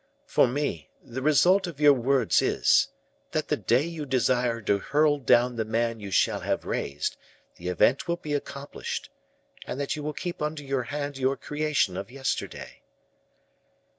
For me, the result of your words is, that the day you desire to hurl down the man you shall have raised, the event will be accomplished; and that you will keep under your hand your creation of yesterday."